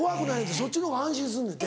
そっちのほうが安心すんねんて。